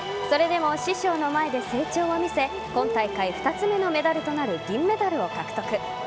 それでも師匠の前で成長を見せ今大会２つ目のメダルとなる銀メダルを獲得。